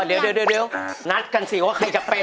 เดี๋ยวนัดกันสิว่าใครจะเป็น